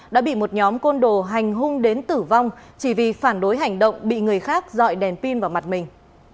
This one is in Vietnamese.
đã bị một nhóm côn đồ hành hung đến tử vong chỉ vì phản đối hành động bị người khác dọi đèn pin vào mặt mình